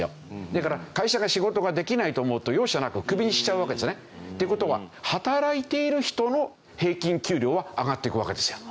だから会社が仕事ができないと思うと容赦なくクビにしちゃうわけですね。という事は働いている人の平均給料は上がっていくわけですよ。